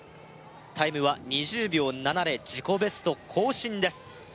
タイムは２０秒７０自己ベスト更新です